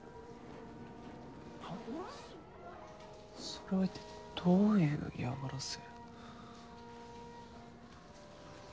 それは一体どういう嫌がらせ？